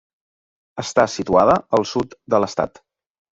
Està situada al sud de l'estat.